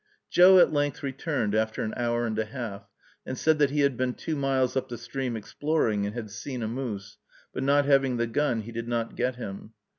Joe at length returned, after an hour and a half, and said that he had been two miles up the stream exploring, and had seen a moose, but, not having the gun, he did not get him.